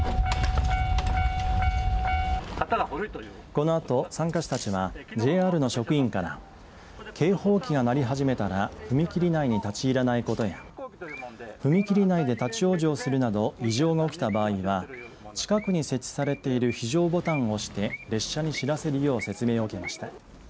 このあと参加者たちはＪＲの職員から警報器が鳴り始めたら踏切内に立ち入らないことや踏切内で立ち往生するなど異常が起きた場合は近くに設置されている非常ボタンを押して列車に知らせるよう説明を受けました。